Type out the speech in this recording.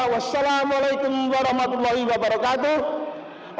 wassalamu'alaikum warahmatullahi wabarakatuh